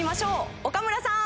岡村さん！